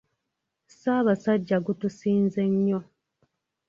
Ssaabasajja gutusinze nnyo